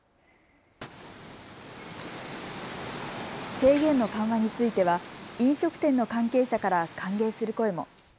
制限の緩和については飲食店の関係者から歓迎する声も。